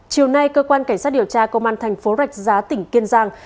chiều nay cơ quan cảnh sát điều tra công an thành phố rạch giá tỉnh kiên giang